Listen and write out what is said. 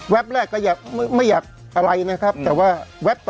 แวบแรกก็ไม่อยากอะไรนะครับ